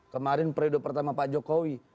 kemarin periode pertama pak jokowi